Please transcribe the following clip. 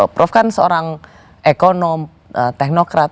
prof kan seorang ekonom teknokrat